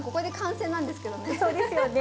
そうですよね。